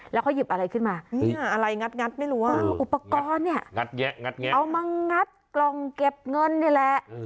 แล้วเขาหยิบอะไรขึ้นมาอะไรงัดไม่รู้ว่าอุปกรณ์เนี่ยงัดแงะงัดแงะเอามางัดกล่องเก็บเงินนี่แหละ